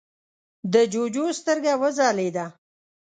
د جُوجُو سترګه وځلېده: